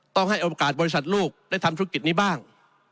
ต้องให้โอกาสบริษัทลูกได้ทำธุรกิจนี้บ้าง